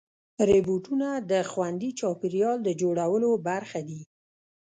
روبوټونه د خوندي چاپېریال د جوړولو برخه دي.